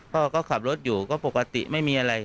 พ่อก็ขับรถอยู่ก็ปกติไม่มีอะไร